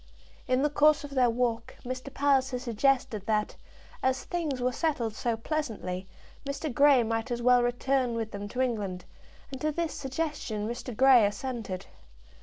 In the course of their walk Mr. Palliser suggested that, as things were settled so pleasantly, Mr. Grey might as well return with them to England, and to this suggestion Mr. Grey assented.